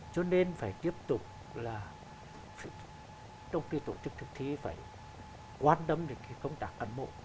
cho nên phải tiếp tục là trong cái tổ chức thực thi phải quan tâm đến cái công tác cán bộ